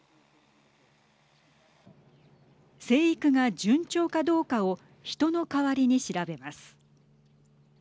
生育が順調かどうかを人の代わりに調べます。